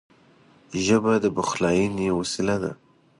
ژبه د پخلاینې وسیله ده